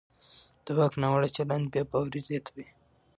د واک ناوړه چلند بې باوري زیاتوي